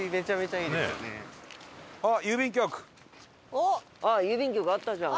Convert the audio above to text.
郵便局あったじゃん。